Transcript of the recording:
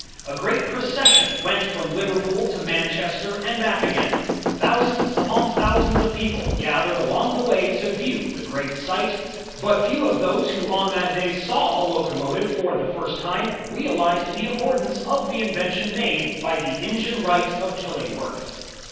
A great procession went from Liverpool to Manchester and back again. Thousands upon thousands of people gathered along the way to view the great sight, but few of those who on that day saw a locomotive for the first GEORGE STEPHENSON 7 1 time, realized the importance of the invention made by the "engine wright of Killingworth."